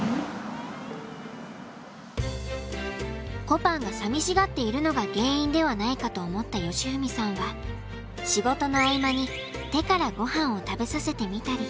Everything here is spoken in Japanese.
こぱんが寂しがっているのが原因ではないかと思った喜史さんは仕事の合間に手からごはんを食べさせてみたり。